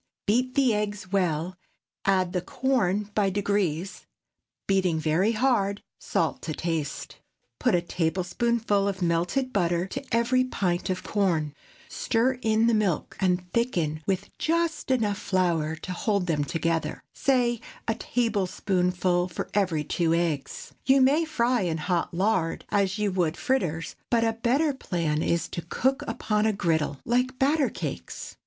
Beat the eggs well, add the corn by degrees, beating very hard; salt to taste; put a tablespoonful of melted butter to every pint of corn; stir in the milk, and thicken with just enough flour to hold them together—say a tablespoonful for every two eggs. You may fry in hot lard, as you would fritters, but a better plan is to cook upon a griddle, like batter cakes.